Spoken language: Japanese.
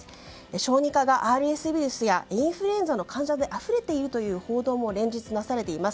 小児科がＲＳウイルスやインフルエンザの患者であふれているという報道も連日なされています。